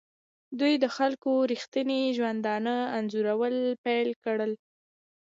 دوی د خلکو ریښتیني ژوندانه انځورول پیل کړل.